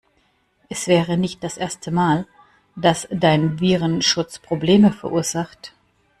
Es wäre nicht das erste Mal, dass dein Virenschutz Probleme verursacht.